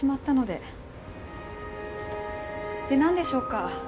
でなんでしょうか？